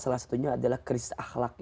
salah satunya adalah krisis akhlaknya